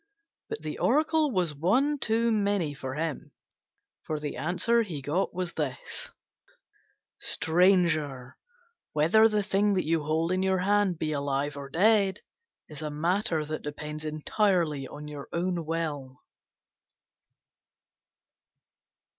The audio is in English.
But the Oracle was one too many for him, for the answer he got was this: "Stranger, whether the thing that you hold in your hand be alive or dead is a matter that depends entirely on your own will."